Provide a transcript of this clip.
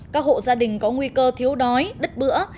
các hộ gia đình có nguy cơ thiếu đói đứt bữa